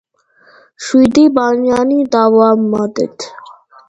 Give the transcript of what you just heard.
შვიდი ბანანი დავამატეთ.